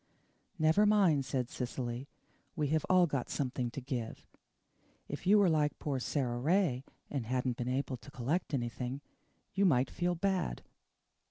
"Never mind," said Cecily, "we have all got something to give. If you were like poor Sara Ray, and hadn't been able to collect anything, you might feel bad."